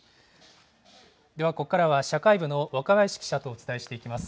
ではここからは社会部の若林記者とお伝えしていきます。